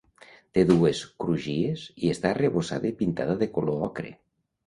Té dues crugies i està arrebossada i pintada de color ocre.